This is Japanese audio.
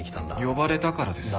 呼ばれたからです。